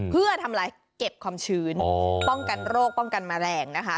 เพื่อทำลายเก็บความชื้นป้องกันโรคป้องกันแมลงนะคะ